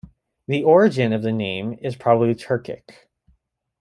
The origin of the name is probably Turkic.